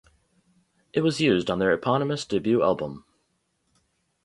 It was used on their eponymous debut album.